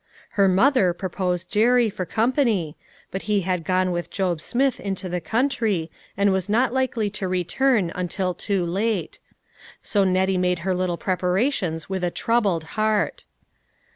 Her mother proposed Jerry for company, but he had gone with Job Smith into the country and was not likely to return until too late. So Nettie made her little preparations with a troubled heart.